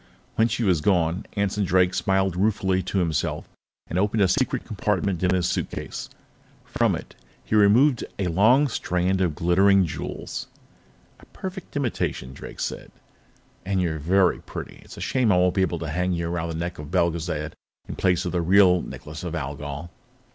When she was gone, Anson Drake smiled ruefully to himself and opened a secret compartment in his suitcase. From it, he removed a long strand of glittering jewels. "A perfect imitation," Drake said. "And you're very pretty. It's a shame I won't be able to hang you around the neck of Belgezad in place of the real Necklace of Algol."